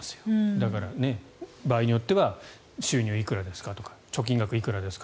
だから、場合によっては収入いくらですかとか貯金額いくらですか。